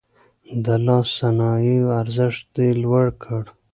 د لاس صنايعو ارزښت يې لوړ کړ.